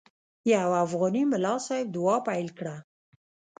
یو افغاني ملا صاحب دعا پیل کړه.